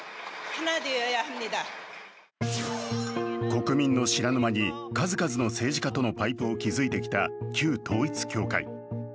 国民の知らぬ間に数々の政治家とのパイプを築いてきた旧統一教会。